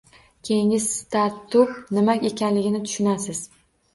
Keyingina startup nima ekanligini tushunasiz.